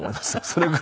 そう。